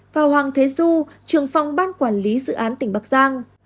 và hoàng thế du trường phòng ban quản lý dự án tỉnh bắc giang